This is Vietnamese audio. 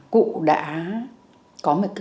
cụ đã có một cái